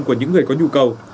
của những người có nhu cầu